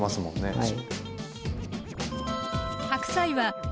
はい。